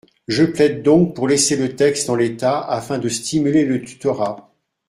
Je plaide donc pour laisser le texte en l’état afin de stimuler le tutorat.